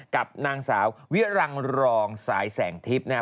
กับนางสาวเวียรังรองสายแสงทิพย์